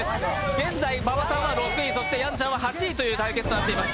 現在、馬場さんは６位やんちゃんは８位という対決になっています。